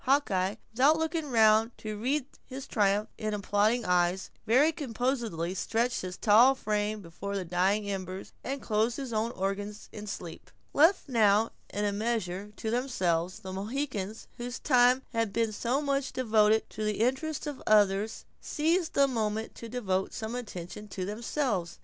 Hawkeye, without looking round to read his triumph in applauding eyes, very composedly stretched his tall frame before the dying embers, and closed his own organs in sleep. Left now in a measure to themselves, the Mohicans, whose time had been so much devoted to the interests of others, seized the moment to devote some attention to themselves.